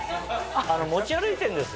持ち歩いてるんです。